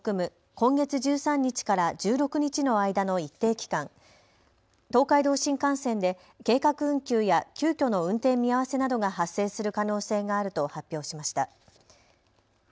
今月１３日から１６日の間の一定期間、東海道新幹線で計画運休や急きょの運転見合わせなどが発生する可能性があると発表しました。